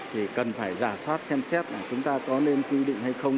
thì cần phải giả soát xem xét là chúng ta có nên quy định hay không